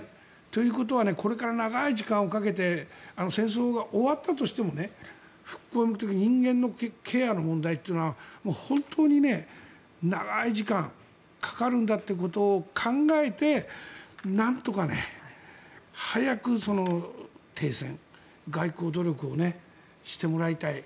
ということはこれから長い時間をかけて戦争が終わったとしても復興に行く時に人間のケアの問題というのは本当に長い時間かかるんだということを考えてなんとか早く停戦外交努力をしてもらいたい。